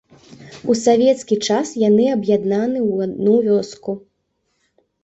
У савецкі час яны аб'яднаны ў адну вёску.